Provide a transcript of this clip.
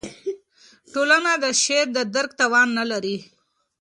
ټولنه د شعر د درک توان نه لري.